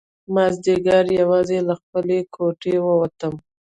مازیګر یوازې له خپلې کوټې ووتم.